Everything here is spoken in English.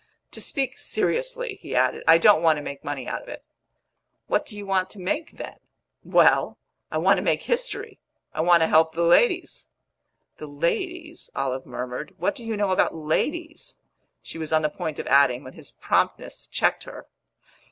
"To speak seriously," he added, "I don't want to make money out of it." "What do you want to make then?" "Well, I want to make history! I want to help the ladies." "The ladies?" Olive murmured. "What do you know about ladies?" she was on the point of adding, when his promptness checked her.